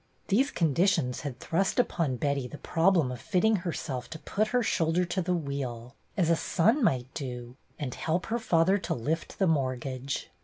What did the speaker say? These conditions had thrust upon Betty the problem of fitting herself to put her shoulder to the wheel, as a son might do, and help her father to lift the mortgage.